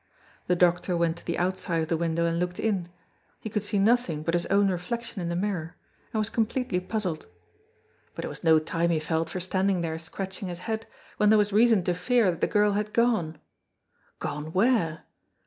The doctor went to the outside of the window, and looked in, he could see nothing but his own reflection in the mirror, and was completely puzzled. But it was no time, he felt, for standing there scratching his head, when there was reason to fear that the girl had gone. Gone where?